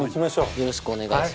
よろしくお願いします。